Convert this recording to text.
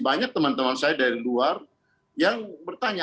banyak teman teman saya dari luar yang bertanya